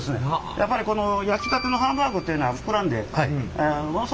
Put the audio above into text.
やっぱりこの焼きたてのハンバーグっていうのは膨らんでものすごいふっくらした。